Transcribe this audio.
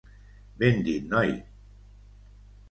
Ben dit, noi!